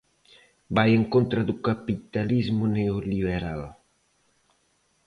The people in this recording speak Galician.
Vai en contra do capitalismo neoliberal.